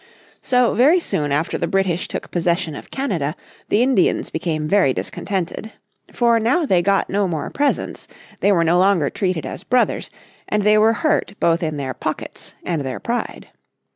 So very soon after the British took possession of Canada the Indians became very discontented. For now they got no more presents, they were no longer treated as brothers, and they were hurt both in their pockets and their pride.